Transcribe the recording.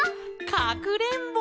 かくれんぼ！